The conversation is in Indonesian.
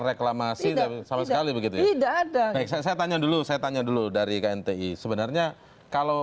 reklamasi sama sekali begitu ya saya tanya dulu saya tanya dulu dari knti sebenarnya kalau